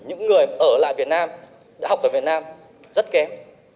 những người ở lại việt nam đã học ở việt nam rất kém